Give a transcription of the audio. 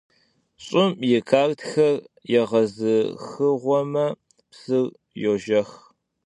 Ş'ım yi khatxer yêğezıxığueme, psır yojjex.